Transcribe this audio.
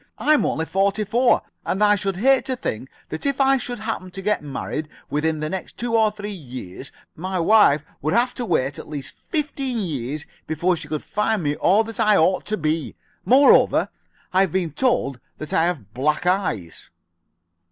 I'm only forty four, and I should hate to think that if I should happen to get married within the next two or three years my wife would have to wait at least fifteen years before she could find me all that I ought to be. Moreover, I have been told that I have black eyes."